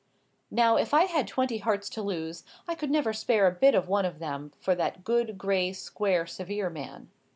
"Now if I had twenty hearts to lose, I never could spare a bit of one of them for that good, gray, square, severe man.